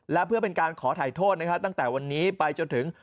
และเพื่อเป็นการขอถ่ายโทษนะครับตั้งแต่วันนี้ไปจนถึง